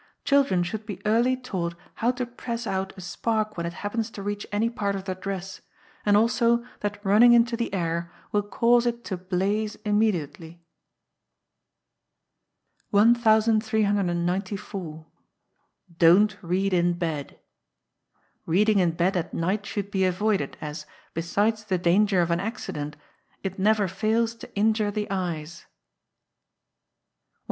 Children should be early taught how to press out a spark when it happens to reach any part of their dress, and also that running into the air will cause it to blaze immediately. 1394. Don't Read in Bed. Reading in bed at night should be avoided, as, besides the danger of an accident, it never fails to injure the eyes. 1395.